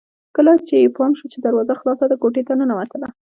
کله چې يې پام شو چې دروازه خلاصه ده کوټې ته ننوتله